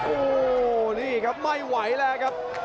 โอ้โหนี่ครับไม่ไหวแล้วครับ